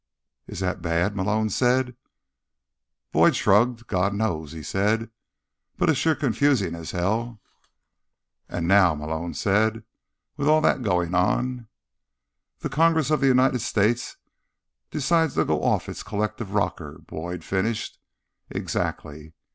"Is that bad?" Malone said. Boyd shrugged. "God knows," he said. "But it's sure confusing as all hell." "And now," Malone said, "with all that going on—" "The Congress of the United States decides to go off its collective rocker," Boyd finished. "Exactly."